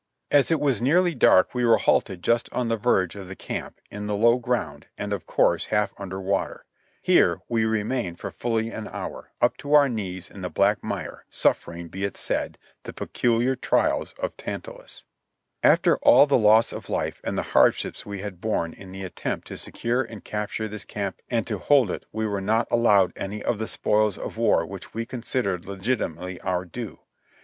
As it was nearly dark we were halted just on the verge of the camp, in the low ground, and of course half under water. Here we remained for fully an hour, up to our knees in the black mire, suffering, be it said, the peculiar trials of Tantalus. After all the loss of life, and the hardships we had borne in the attempt to se THE BATTLE OE SEVEN PINES I39 cure and capture this camp and to hold it, we were not allowed any of the spoils of war which we considered legitimately our due.